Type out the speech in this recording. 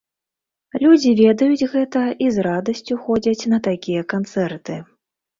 Людзі ведаюць гэта і з радасцю ходзяць на такія канцэрты.